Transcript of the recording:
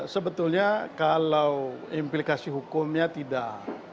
sebetulnya kalau implikasi hukumnya tidak